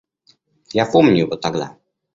Я помню его тогда.